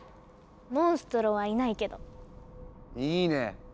モンストロはいないけど。いいね！